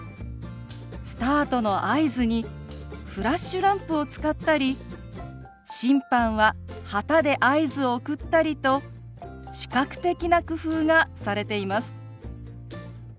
スタートの合図にフラッシュランプを使ったり審判は旗で合図を送ったりと視覚的な工夫がされています。